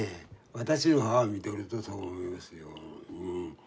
私の母を見てるとそう思いますよ。